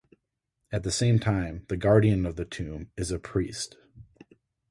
At the same time, the guardian of the tomb is a priest.